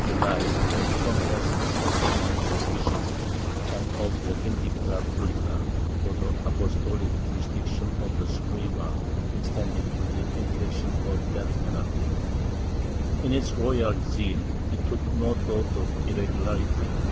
276 POLITICAL ACTIVITY [Book VIII rely on the promptest fulfilment of his wishes and of the vindida publica, for the Apostolic jurisdiction of the Suprema extended to the infliction of the death penalty/ In its loyal zeal it took no thought of irregularity.